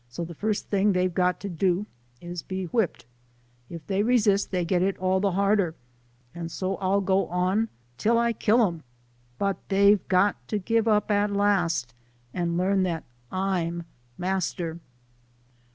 29 the first thing they've got to do, is to be whipped ; if they resist, they get it all the harder ; and so I'll go on, till I kill 'em, but they've got to give up at last, and learn that I'm master."